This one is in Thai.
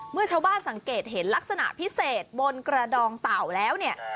เมื่อชาวบ้านสังเกตเห็นลักษณะพิเศษบนกระดองเต่าแล้วเนี่ย